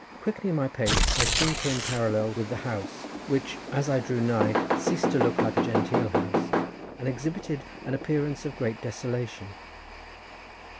Quickening my pace, I soon came parallel with the house, which, as I drew nigh, ceased to look like a genteel house, and exhibited an appearance of great desolation.